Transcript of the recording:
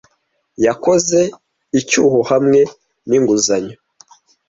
Yakoze icyuho hamwe ninguzanyo.